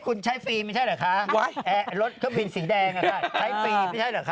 คุณใช้ฟรีไม่ใช่เหรอคะรถเครื่องบินสีแดงใช้ฟรีไม่ใช่เหรอคะ